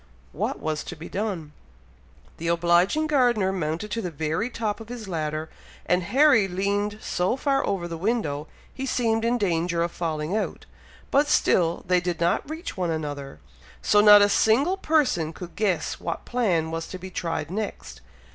What was to be done? The obliging gardener mounted to the very top of his ladder, and Harry leaned so far over the window, he seemed in danger of falling out, but still they did not reach one another, so not a single person could guess what plan was to be tried next.